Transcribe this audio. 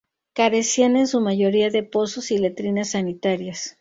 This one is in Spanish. Carecían en su mayoría de pozos y letrinas sanitarias.